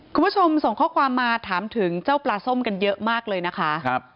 คุณผู้ชมส่งข้อความมาถามถึงเจ้าปลาส้มกันเยอะมากเลยนะคะครับ